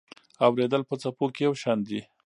اورېدل په څپو کې یو شان دي.